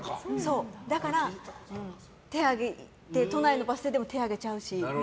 だから、都内のバス停でも手を上げちゃうし。